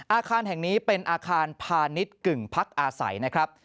อาคารแห่งนี้เป็นอาคารพาณิชย์กึ่งพักอาศัยนะครับ